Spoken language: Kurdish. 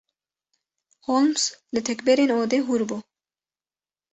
Holmes li tekberên odê hûr bû.